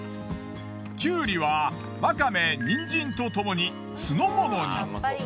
きゅうりはワカメニンジンとともに酢の物に。